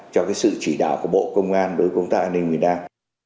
cho cái sự chỉ đảo của bộ công an với công tác an ninh việt nam